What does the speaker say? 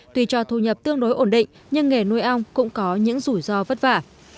tuy cho thu nhập tương đối ổn định nhưng nghề nuôi ong cũng có những rủi ro vất vả